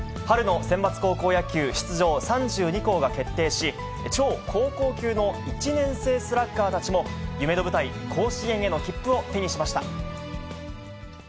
春のセンバツ高校野球出場３２校が決定し、超高校級の１年生スラッガーたちも、夢の舞台、甲子園への切符を手にしました。